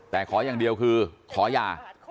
แต่ขอยังเดียวคือขอยา